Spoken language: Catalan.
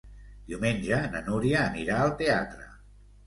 Diumenge na Núria anirà al teatre.